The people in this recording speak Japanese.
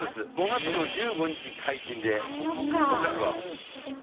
５月の１５日解禁で、小樽は。